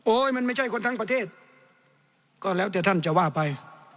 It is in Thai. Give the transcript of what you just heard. มันไม่ใช่คนทั้งประเทศก็แล้วแต่ท่านจะว่าไป